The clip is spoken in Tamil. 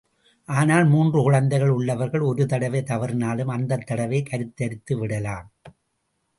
ஆனால் மூன்று குழந்தைகள் உள்ளவர்கள் ஒரு தடவை தவறினாலும் அந்தத் தடவை கருத்தரித்துவிடலாம்.